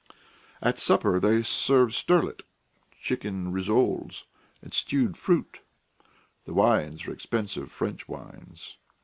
At supper they served sterlet, chicken rissoles, and stewed fruit; the wines were expensive French wines.